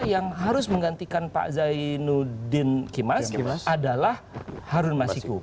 yang harus menggantikan pak zainuddin kimas adalah harun masiku